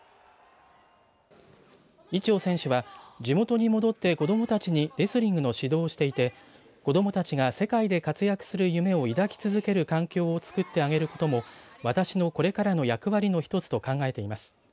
伊調選手は地元に戻って子どもたちにレスリングの指導をしていて子どもたちが世界で活躍する夢を抱き続ける環境をつくってあげることも私のこれからの役割の一つと考えています。